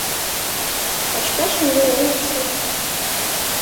Кашка шеҥгел эҥыжшым